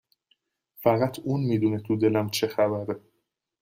فقط اون میدونه تو دلم چه خبره